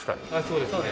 そうですね。